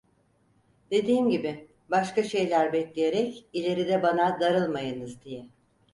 Dediğim gibi, başka şeyler bekleyerek ileride bana darılmayınız diye…